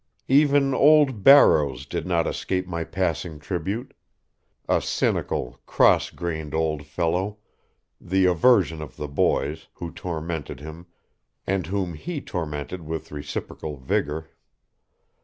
Even old Barrows did not escape my passing tribute a cynical, cross grained old fellow, the aversion of the boys, who tormented him and whom he tormented with reciprocal vigor.